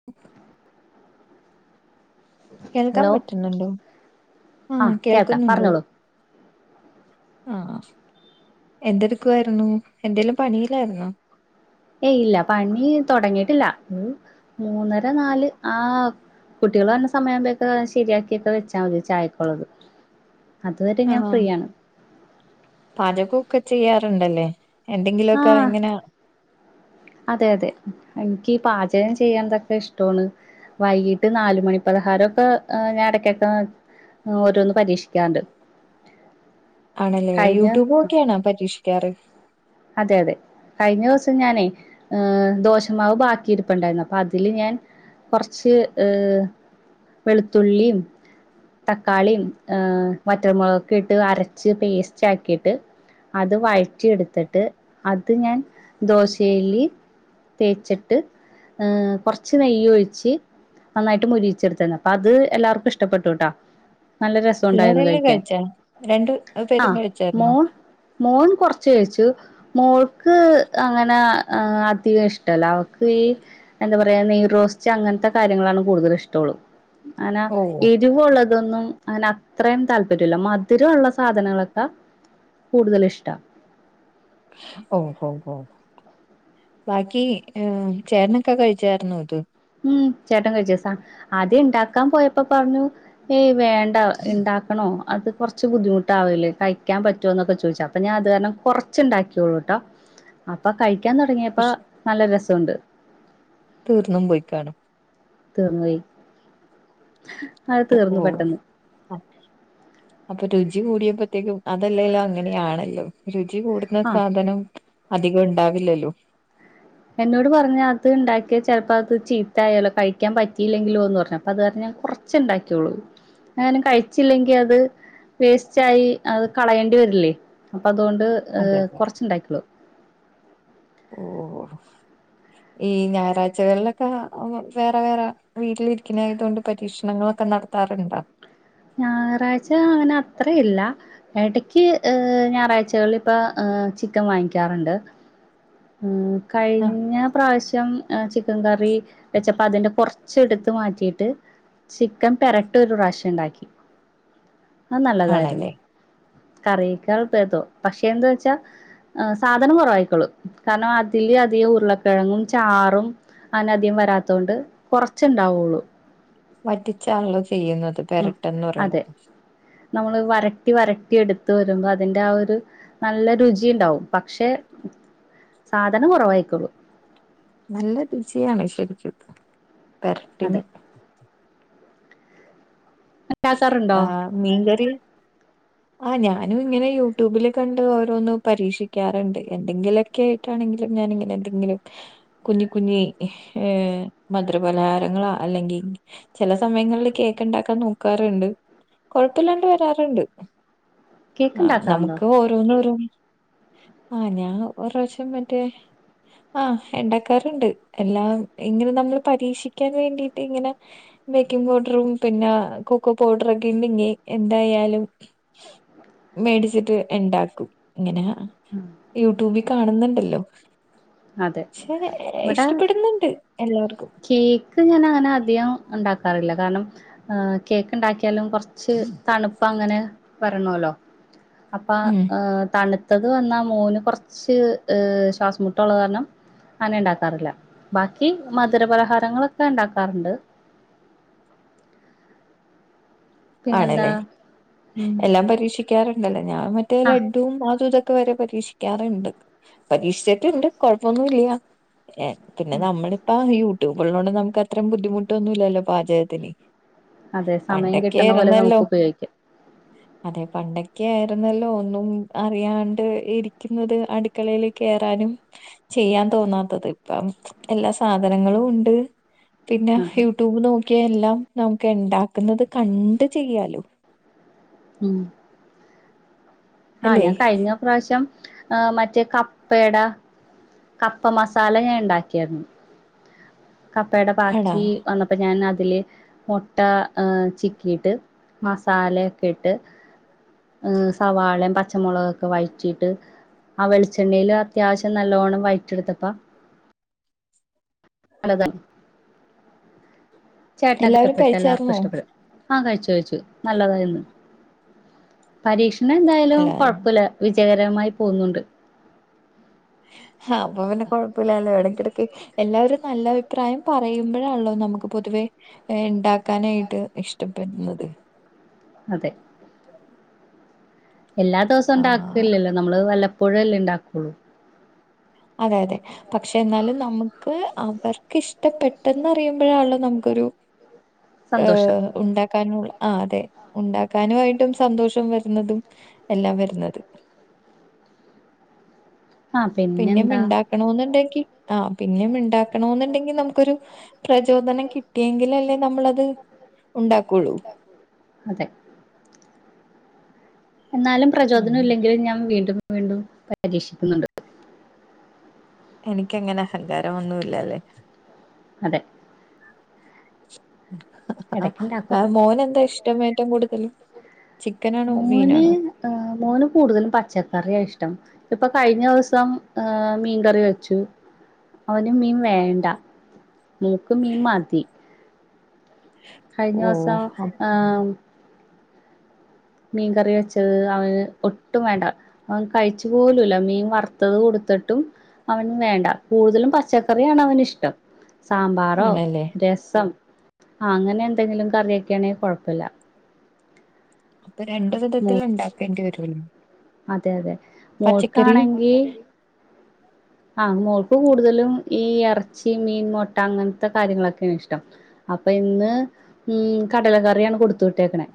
[unintelligible] കേൾക്ക്യാൻ hello പറ്റ്ന്നോ ഒണ്ടോ ആഹ് കേൾക്കാം കേൾക്കുന്നുണ്ടോ പറഞ്ഞോളൂ ആഹ് എന്ത് എട്ക്കു ആര്ന്നു എന്തേലും പണിയിലാര്ന്നോ യെ ഇല്ല പണി തൊടങ്ങിയിട്ടില്ല മൂന്നര നാല് ആഹ് കുട്ടികള് വെരണാ സമയം ആമ്പൊയ്ക്കും ശെരിയാക്കിയെക്കെ വെച്ചാ മതി ചായക്കോള്ളത് അത് വെരെ ഞാൻ ഫ്രീയാണ് പാചക ഒക്കെ ചെയ്യാറോണ്ട് അല്ലേ എന്തെങ്കിലും ഒക്കെ ആഹ് ഇങ്ങനെ അതെ അതെ എനിക്ക് പാചകം ചെയ്യൻതാക്കെ ഇഷ്ടാവാണ് വൈകീട്ട് നാല് മണി പലഹാരമൊക്കെ ഞാന് എടക്കൊക്കെ ഓരോന്ന് പരീക്ഷിക്കാണ്ട് ആണല്ലേ യൂട്യൂബ് നോക്കിയാണോ പരീക്ഷിക്കാറ് അതേതെ കഴിഞ്ഞ ദിവസം ഞാനേ ഏഹ് ദോശമാവ് ബാക്കിരുപ്പുണ്ടായിരുന്നു അപ്പൊ അതില് ഞാൻ കുറച്ച് ഏഹ് വെളുത്തുള്ളീം തക്കാളീം ഏഹ് വറ്റൽമുളകൊക്കെ ഇട്ട് അരച്ച് പേസ്റ്റ് ആക്കീട്ട് അത് വയറ്റിയെടുത്തിട്ട് അത് ഞാൻ ദോശയില് തേച്ചിട്ട് ഏഹ് കുറച്ച് നെയ്യൊഴിച്ച് നന്നായിട്ട് മുരിയിച്ചെടുത്ത അപ്പൊ അത് എല്ലാർക്കും ഇഷ്ടപ്പെട്ടു ട്ടാ നല്ല രസുണ്ടായിരുന്നു പിള്ളേരെല്ലാം കഴിക്കാൻ കഴിച്ചാ രണ്ടു പേരും ആഹ് മോ കഴിച്ചായിരുന്നോ മോൻ കൊറച്ച് കഴിച്ചു മോൾക്ക് അങ്ങനെ ഏഹ് അധിക ഇഷ് ഇഷ്ടല്ല അവൾക്കീ നെയ് റോസ്റ്റ് അങ്ങനത്തെ കാര്യങ്ങളാണ് കൂടുതൽ ഇഷ്ട്ടുള്ളൂ അങ്ങന ഓ എരിവുള്ളതൊന്നും അങ്ങനെ അത്രയും താല്പര്യമില്ല മധുരുള്ള സാധനങ്ങളൊക്കെ കൂടുതൽ ഇഷ്ട. ഓഹ് ഓഹ് ഓഹ് ബാക്കി ഏഹ് ചേട്ടനൊക്കെ കഴിച്ചായിരുന്നോ ഇത്? ഉം ചേട്ടൻ കഴിച്ചസാ ആദ്യണ്ടാക്കാൻ പോയപ്പോ പറഞ്ഞു. ഏയ് വേണ്ട ഇണ്ടാക്കണോ അത് കൊറച്ച് ബുദ്ധിമുട്ടാവൂലേ കഴിക്കാൻ പറ്റോ എന്നൊക്കെ ചോദിച്ച അപ്പം ഞാ അത് കാരണം കുറച്ച്ണ്ടാക്കിയുള്ളൂ കേട്ടോ [inaudible] അപ്പോ കയിക്കാൻ തുടങ്ങിയപ്പോ പക്ഷെ നല്ല രസുണ്ട്. തീർന്നും പോയി കാണും തീർന്നോയ് അത് ഓ പെട്ടെന്ന് [unintelligible] അപ്പൊ രുചി കൂടിയപ്പത്തേക്കും അതല്ലേലും അങ്ങനെയാണല്ലോ രുചി കൂടു ന്ന ആഹ് സാധനം അധികുണ്ടാവില്ലല്ലോ എന്നോട് പറഞ്ഞ് അത് ഇണ്ടാക്കിയ ചെലപ്പോ അത് ചീത്തായാല്ലോ കഴിക്കാൻ പറ്റീലെങ്കിലോ എന്ന് പറഞ്ഞ് അപ്പൊ അത് കാരണം ഞാൻ കൊറ ച്ച്ണ്ടാക്കിയുള്ളൂ ങ്ങാനും കഴിച്ചില്ലെങ്കി അത് വേസ്റ്റായി അത് കളയേണ്ടി വരില്ലേ അപ്പൊ അതോണ്ട് അതെ ഏഹ് അതെ കൊറച്ചുണ്ടാക്കീളു ഓഹ് ഈ ഞായറാഴ്ചകളിലൊക്കെ വേറെ വേറെ വീട്ടിലിരിക്കണായതുകൊണ്ട് പരീക്ഷണങ്ങളൊക്കെ നടത് ത്താറണ്ടാ? ഞായറാഴ്ച അങ്ങനെ അത്രേയില്ല എടയ്ക്ക് ഞായറാഴ്ചകളിലിപ്പ ഏഹ് ചിക്കൻ വാങ്ങിക്കാറുണ്ട്. ആഹ് കഴിഞ്ഞ പ്രാവശ്യം ചിക്കൻ കറി വെച്ചപ്പ അതിന്റെ കൊറ ച്ചെടുത്ത് മാറ്റിയിട്ട് ചിക്കൻപെരട്ട് ഒരു പ്രാവശ്യുണ്ടാക്കി അത് നല്ലതായിരുന്നു ആണല്ലേ കറിയെക്കാൾ ഭേദാ പക്ഷെ എന്തവെച്ചാ സാധനം കൊറവായ്ക്കോളും കാരണം അതില് അധികം ഉരുളക്കെഴങ്ങും ചാറും അങ്ങനധികം വരത്തോണ്ട് കുറച്ചെണ്ടാവുള്ളൂ വറ്റിച്ചാണല്ലോ ചെയ്യുന്നത് ഉം പെരട്ടെന്ന് അതെ പറയണത് നമ്മള് വരട്ടി വരട്ടിയെടുത്ത് വരുമ്പോ അതിന്റെ ആ ഒരു നല്ല രുചിയുണ്ടാവും പക്ഷെ സാധനം കൊറവായിക്കോളും നല്ല രുചിയാണ് ശെരിക്കും പെരട്ടിന് അതെ ണ്ടാക്കാറുണ്ടോ? മീങ്കറി ആഹ് ഞാനും ഇങ്ങനെ യൂട്യൂബിൽ കണ്ട് ഓരോന്ന് പരീക്ഷിക്കാറ്ണ്ട് എന്തെങ്കിലൊക്കെ ട്ടാണെങ്കിലും ഞാനിങ്ങനെ എന്തെങ്കിലും കുഞ്ഞികുഞ്ഞി ഏഹ് മധുര പലഹാരങ്ങളാ അല്ലെങ്കി ചെല സമയങ്ങളില് കേക്ക്ണ്ടാക്കാൻ നോ ക്കാറുണ്ട്, കൊഴപ്പുല്ലാണ്ട് വരാറ്ണ്ട് കേക്ക് ആഹ് ഉണ്ടാക്കാറുണ്ടോ നമ്മക്ക് ഓ രോന്നോരോന്ന് ആഹ് ഞാൻ ഒരുറാവശ്യം മറ്റേ ആഹ് ഇണ്ടാക്കാറ്ണ്ട് എല്ലാം ഇങ്ങനെ നമ്മൾ പരീക്ഷിക്കാൻ വേണ്ടിട്ട് ഇങ്ങനെ ബേക്കിങ് പൗഡറും പിന്നെ കൊക്കോ പൗഡറൊക്കെ ഇണ്ടെങ്കി ‌എന്തായാലും മേടിച്ചിട്ട് ഇണ്ടാക്കും ഇങ്ങനെ ഉം യൂട്യൂബി കാണുന്നുണ്ടല്ലോ അതെ പക്ഷെ ഇവിടെ ഇഷ്ടപ്പെടുന്നുണ്ട് എല്ലാവർക്കും ഇക്ക് ഇങ്ങനെ ഇങ്ങനെ അധികം ഉണ്ടാക്കാറില്ല കാരണം ആഹ് കേക്ക് ഉണ്ടാക്കിയാലും കൊറച്ച് തണുപ്പ് അങ്ങനെ വരണോല്ലോ അപ്പ ഉം തണുത്തത് വന്നാ മോന് കൊറച്ച് ശ്വാസം മുട് ട്ടുള്ള കാരണം അങ്ങനെ ഇണ്ടാക്കാറില്ല ബാക്കി മധുരപലഹാരങ്ങളൊക്കെ ഇണ്ടാക്കാറുണ്ട് പിന്നെന്താ ആണ്ല്ലേ ഉം എല്ലാം പരീക്ഷിക്കാറുണ്ടല്ലേ ഞാൻ മറ്റേ ആഹ് ലഡ്‌ഡൂം അതും ഇതൊ ഇക്ക് വരെ പരീക്ഷിക്കാറുണ്ട് പരീക്ഷിച്ചിട്ടുണ്ട് കൊഴപ്പൊന്നും ഇല്യ പിന്നെ ഉം നമ്മളിപ്പോ യൂട്യൂബുള്ളോണ്ട് നമുക്ക് അത്ര ബുദ്ധിമുട്ടൊന്നൂല്ലല്ലോ പാചകത്തിന് അതെ സമയം കിട് എറന്നല്ലോ അതെ പണ്ടൊക്കെ ആയിരുന്നല്ലോ ഒന്നും അറിയാണ്ട് ഇരിക്കുന്നത് അട് അടുക്കളയിൽ കയറാനും ചെയ്യാൻ തോന്നാത് ഇപ്പം എല്ലാ സാധനങ്ങളും ഉണ്ട്. പിന്നെ അതെ യൂട്യൂബ് നോക്കി എല്ലാം നമുക്ക് ഉണ്ടാക്കുന്നത് കണ്ട് ചെയ്യാലോ ഉം ആഹ അല്ലെ ഞാൻ കഴിഞ്ഞ പ്രാവശ്യം മറ്റേ കപ്പടെ കപ്പ മസാല ഞാൻ ഇണ്ടാക്കിയരുന്നു കപ്പയുടെ ആടാ ബാക്കി വന്നപ്പോ ഞാൻ അതില് മുട്ട ചിക്കിയിട്ട് മസാലയൊക്കെ ഇട്ട് ഹ്സവാള ഉള്ളിപച്ചമുളകൊക്കെ വഴറ്റിട്ട് ആ വെളിച്ചെണ്ണയിൽ അത്യാവശ്യം നല്ലോണ്ണം വഴറ്റെടുത്തപ്പോ നല്ലതാണ് ചേട്ടനക്ക് എല്ലാവരും ഇഷ്ടപ്പെട്ട് എല്ലാർക്കും കഴിച്ചായിരുന്നോ ഇഷ്ടപ്പെടും ആഹ കഴിച്ചു കഴിച്ചു നല്ലതായിന്ന് പരീക്ഷണ എന്തായാലും അല്ല കൊഴപ്പ ഇല്ല വിജയകരമായി പോകുന്നുണ്ട് ആ അപ്പൊ പിന്നെ എല്ലാവരും നല്ല കൊഴപ്പില്ലല്ലോ ഇടക്കിടയ്ക്ക് എല്ലാവരും നല്ല അഭിപ്രായം പറയുന്നതാണ് അഭിപ്രായം പറയുമ്പോഴാല്ലോ നമുക്ക് പൊതുവേ ഇണ്ടാക്കാനായിട്ട് നമുക്ക് പൊതുവെ ഉണ്ടാക്കാനായിട്ട് ഇഷ്ടപ്പെടുന്നത് ഇഷ്ടപ്പെടും അതെ [inaudible] എല്ലാ ദിവസവും ആഹ് ഉണ്ടാക്കില്ലല്ലോ നമ്മള് വല്ലപ്പോഴേ അല്ലേ ഉണ്ടാക്കു ഉള്ളൂ അതെ അതെ പക്ഷെ എന്നാലും നമുക്ക് അവർക്ക് ഇഷ്ടപ്പെട്ടെന്ന് അറിയുമ്പോഴാല്ലോ നമുക്കൊരു ഏ സന്തോഷം ഉണ്ടാക്കാനുള്ള ആ അതെ ഉണ്ടാക്കാനുമായിട്ടും സന്തോഷം വരുന്നതും എല്ലാം വരുന്നത് ആ ആ പിന്നം പിന്നെന്താ ഉണ്ടാക്കണ എന്നുണ്ടെങ്കിൽ ആ പിന്നെം ഉണ്ടാക്കണ എന്നുണ്ടെങ്കിൽ നമുക്കൊരു പ്രചോദനം കിട്ടിയെങ്കിൽ അല്ലേ നമ്മളത് ഉണ്ടാക്കുള്ളൂ. അതെ എന്നാലും ഉം പ്രചോദനം ഇല്ലെങ്കിലും ഞാൻ വീണ്ടും വീണ്ടും പരിക്ഷിക്കുന്നുണ്ട്. എനിക്ക് അങ്ങനെ അഹങ്കാരം ഒന്നു ഇല്ലല്ലേ അതെ ഇടയ്ക്കുണ്ടാക്കും മോൻ എന്താ ഇഷ്ടം ഏറ്റവും കൂടുതൽ ചിക്കനാണോ മോന് മീനാണോ ആ മോൻ കൂടുതലും പച്ചക്കറിയാ ഇഷ്ടം ഇപ്പൊ കഴിഞ്ഞ ദിവസം മീൻകറി വെച്ചു അവന് മീൻ വേണ്ട മോൾക്ക് മീൻ മതി കഴിഞ്ഞ ഓ ദിവസം അപ്പ- ആഹ മീൻ കറി വെച്ചത് അവന് ഒട്ടും വേണ്ട അവൻ കഴിച്ചു പോലൂല മീൻ വറുത്തത് കൊടുത്തിട്ടും. അവന് വേണ്ട കൂടുതലും പച്ചക്കറിയാണ് അവന് ഇഷ്ടം. സാമ്പാറോ ആണല്ലേ രസം അങ്ങനെ എന്തെങ്കിലും കറിയൊക്കൊണെങ്കിൽ കുഴപ്പല്ല. അപ്പൊ രണ്ട് മോ വിധത്തിഉണ്ടാക്കേണ്ടി വരൂല്ലേ അതെ അതെ മോൾ ക്കാണെങ്കിൽ [inaudible] ആഹ മോൾക്ക് കൂടുതലും ഈ എറച്ചി, മീൻ, മുട്ട, അങ്ങനത്തെ കാര്യങ്ങളൊക്കെയാണ് ഇഷ്ടം. അപ്പൊ ഇന്ന് കടല കറിയാണ് കൊടുത്ത് വിട്ടേക്കണെ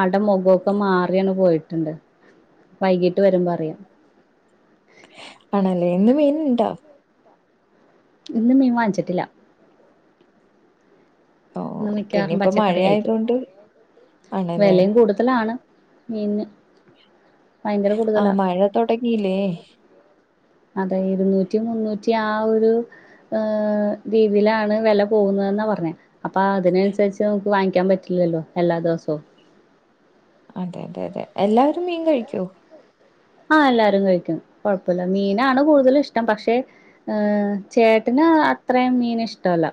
ആൾടെ മുഖമൊക്കെ മാറിയാണ് പോയിട്ടുണ്ട് വൈകീട്ട് വരുമ്പോ അറിയാം ആണല്ലേ ഇന്ന് മീൻ ഇണ്ടോ? ഇന്ന് മീൻ വാങ്ങിച്ചിട്ടില്ല ഓ ന്ന് പിന്നെ മിക്കാറും ഇപ്പ പച്ചക്കറി ആയിരിക്കും മഴയായതുകൊണ്ട് ആണല്ലേ വിലയും കൂടുതലാണ് മീനിന് ഭയങ്കര ആഹ് കൂടുതലാ മഴ തൊടങ്ങില്ലേ അതെ ഇരുന്നൂറ്റി മുന്നൂറ്റി ആഹ് ഒരു രീതിയിലാണ് വില പോകുന്നതെന്നാ പറഞ്ഞെ അപ്പൊ അതിനനുസരിച്ച് നമുക്ക് വാങ്ങിക്കാൻ പറ്റില്ലല്ലോ എല്ലാ ദിവസവും അതെ അതെ അതെ എല്ലാരും മീൻ കഴിക്കോ ആഹ് എല്ലാരും കഴിക്കും കുഴപ്പല്ല മീനാണ് കൂടുതലും ഇഷ്ടം പക്ഷെ ഏഹ് ചേട്ടന് അത്രയും മീൻ ഇഷ്ടല്ല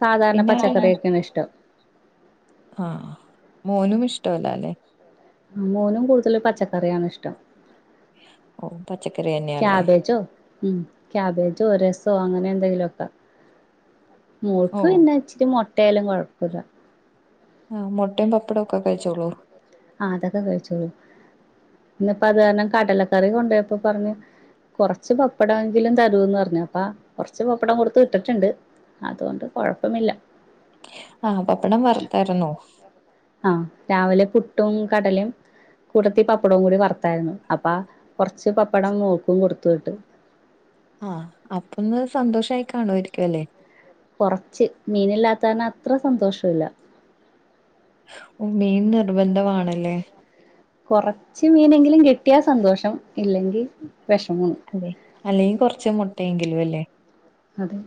സാധാരണ പിന്നെ അഹ് പച്ചക്കറിയൊക്കെയാണ് ഇഷ്ടം ആഹ് മോനും ഇഷ്ടല്ല അല്ലെ ആഹ് മോനും കൂടുതൽ പച്ചക്കറിയാണ് ഇഷ്ടം ഓ പച്ചക്കറി തന്നെയാല്ലേ കാഭേജോ? ആഹ് കാബേജോ രസോ അങ്ങനെ എന്തെങ്കിലുമൊക്കെ ഓ മോൾക്ക് പിന്നെ ഇച്ചിരി മുട്ടയാലും കുഴപ്പമില്ല ആഹ് മുട്ടയും വപ്പടവും ഒക്കെ കഴിച്ചോളൂ ആഹ് അതൊക്കെ കഴിച്ചോളൂ ഇന്നപ്പ അത് കാരണം കടലക്കറി കൊണ്ടുപോയപ്പോ പറഞ്ഞു കുറച്ച് പപ്പട എങ്കിലും തരുവന്ന് പറഞ്ഞപ്പാ കൊറച്ച് പപ്പടം കൊടുത്ത വിട്ടിട്ടുണ്ട് അതുകൊണ്ട് കുഴപ്പമില്ല ആഹ് വപ്പടം വറുത്താരുന്നോ ആഹ് രാവിലെ പുട്ടും കടലയും കൂട്ടത്തി പപ്പടവും കൂടി വറുത്തായിരുന്നു അപ്പ കുറച്ച് പപ്പടം ഓൽക്കും കൊടുത്തു വിട്ട് ആഹ് അപ്പൊ ഒന്ന് സന്തോഷായി കാണുവായിരിക്കും അല്ലേ കുറച്ച് മീനില്ലാത്താകാരണ അത്ര സന്തോഷല്ല മീൻ നിർബന്ധമാണല്ലേ കുറച്ച് മീനെങ്കിലും കിട്ടിയാൽ സന്തോഷം ഇല്ലെങ്കിൽ വിഷമമാണ് അതെ അല്ലെങ്കിൽ കൊറച്ച് മുട്ടയെങ്കിലും അല്ലേ അതെ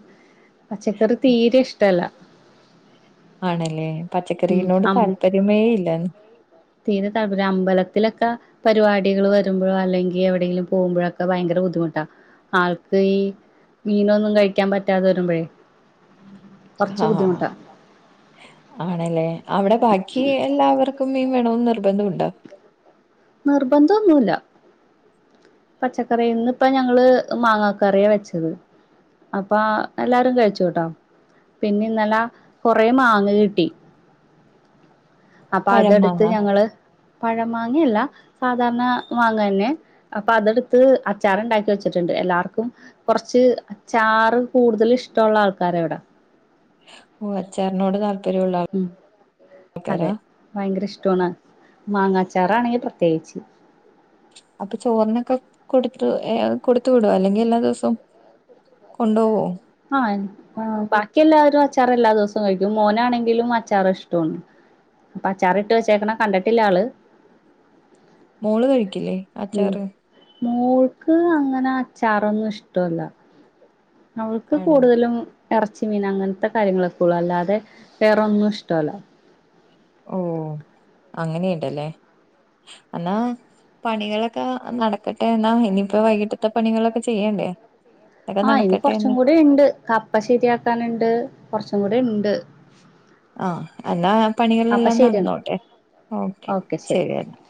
പച്ചക്കറി തീരെ ഇഷ്ടല്ല ആണല്ലേ ഉം പച്ചക്കറീനോട് അം താല്പര്യമേ ഇല്ലന്ന് തീരെ താല്പര്യല്ല അമ്പലത്തിലൊക്കെ പരിപാടികൾ വരുമ്പോഴോ അല്ലെങ്കിൽ എവിടെങ്കിലും പോകുമ്പോഴൊക്കെ ഭയങ്കര ബുദ്ധിമുട്ടാ ആൾക്ക് ഈ മീനൊന്നും കഴിക്കാൻ പറ്റാതെ വരുമ്പഴേ കൊറച്ച് ആഹ് ബുദ്ധിമുട്ടാ ആണല്ലേ അവിടെ ബാക്കി എല്ലാർക്കും ഒക്ക മീ വേണന്ന് നിർബന്ധമുണ്ടോ നിർബന്ധന്നുല്ല പച്ചക്കറിന്ന് പ്പ ഞങ്ങള് മാങ്ങ കറിയാ വെച്ചത് അപ്പ എല്ലാരും കഴിച്ചുട്ടോ പിന്നെ ഇന്നലെ കൊറേ മാങ്ങ കിട്ടി അപ്പൊ പഴം അതെടുത്ത് മാങ്ങ ഞങ്ങള് പഴമാങ്ങിയല്ല സാധാരണ മാങ്ങ തന്നെ അപ്പൊ അതെടുത്ത് അച്ചാറുണ്ടാക്കി വെച്ചിട്ടുണ്ട് എല്ലാർക്കും കുറച്ച് ചാറ് കൂടുതൽ ഇഷ്ടള്ള ആൾക്കാര എവിടെ ഓഹ് അച്ചാറിനോട് താൽ ഉം അതെ ഭയങ്കര ഇഷ്ട്ടൊവാണ് മാങ്ങാച്ചാറാണെങ്കി പ്രത്യേകിച്ച് അപ്പൊ ചോറിനൊക്കെ കൊടുത്ത് ഏഹ് കൊടുത്തു വിടുവോ അല്ലെങ്കി എല്ലാ ദിവസവും കൊണ്ടോവോ ആഹ് എൻ ഉം ബാക്കി എല്ലാവരും അച്ചാറ് എല്ലാ ദിവസവും കഴിക്കും മോനാണെങ്കിലും അച്ചാർ ഇഷ്ട്ടവാണ് അപ്പ അച്ചാറിട്ട് വെച്ചേക്കണെ കണ്ടട്ടില്ലാ ആള് മോള് കഴിക്കില്ലേ അച്ചാറ് മേൾക്ക് അങ്ങനെ അച്ചാറൊന്നും ഇഷ്ട്ടൊവല്ലാ അവൾക്ക് ആണല്ലേ കൂടുതലും എറച്ചി മീൻ അങ്ങൻത്തെ കാര്യങ്ങളൊക്കെ ഉള്ളു അല്ലാതെ വേറൊന്നും ഇഷ്ട്ടവല്ലാ ഓഹ് അങ്ങനെയ്ണ്ടല്ലേ എന്നാ പണികളൊക്കെ നടക്കട്ടെ എന്നാ ഇനിയപ്പോ വൈകിട്ടത്തെ പണികളൊക്കെ ചെയ്യണ്ടേ അതൊക്കെ ആഹ് ഇനി നടക്കട്ടെ എന്ന് കൊറച്ചും കൂടി ഇണ്ട് കപ്പ ശരിയാക്കാനുണ്ട് കൊറച്ചും കൂടെ ഇണ്ട് ആഹ് എന്നാ ആ പണികളെല്ലാം നടന്നോട്ടെ ഓക്കെ ശരി എന്നാ